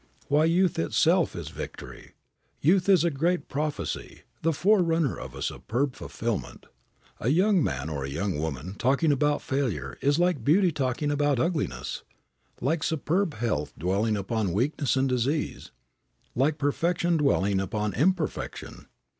Why, youth itself is victory. Youth is a great prophecy, the forerunner of a superb fulfillment. A young man or a young woman talking about failure is like beauty talking about ugliness; like superb health dwelling upon weakness and disease; like perfection dwelling upon imperfection.